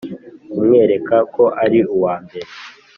kumwereka ko ari uwa mbere